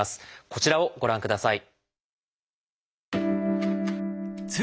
こちらをご覧ください。